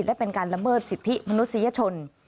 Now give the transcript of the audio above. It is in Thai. และเป็นการละเมิดสิทธิมนุษยชน